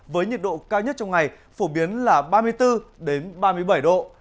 với nhiệt độ cao nhất trong ngày phổ biến là ba mươi bốn ba mươi bảy độ